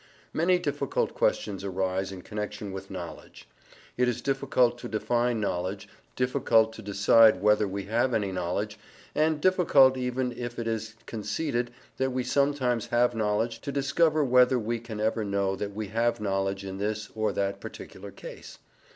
Many difficult questions arise in connection with knowledge. It is difficult to define knowledge, difficult to decide whether we have any knowledge, and difficult, even if it is conceded that we sometimes have knowledge to discover whether we can ever know that we have knowledge in this or that particular case.